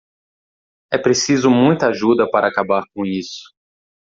É preciso muita ajuda para acabar com isso.